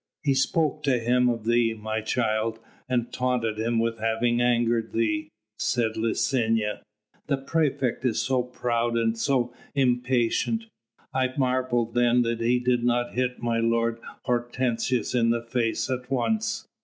"He spoke to him of thee, my child, and taunted him with having angered thee," said Licinia. "The praefect is so proud and so impatient, I marvelled then he did not hit my lord Hortensius in the face at once.